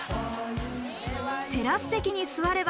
テラス席に座れば、